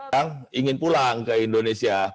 yang ingin pulang ke indonesia